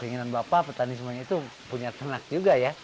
keinginan bapak petani semuanya itu punya ternak juga ya